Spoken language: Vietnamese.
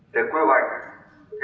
để quy hoạch